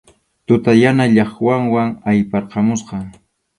Tuta yana laqhanwan ayparqamusqa.